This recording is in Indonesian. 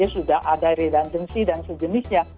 sudah ada redundancy dan sejenisnya